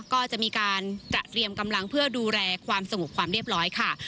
ก็จะมีการกระเตรียมกำลังเพื่อดูแลความสงบความเรียบร้อยค่ะ